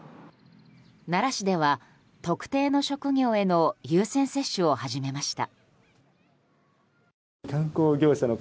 奈良市では、特定の職業への優先接種を始めました。